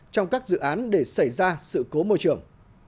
trong các dự án để xảy ra sự cố môi trường